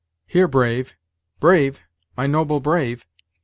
Here, Brave Brave my noble Brave!"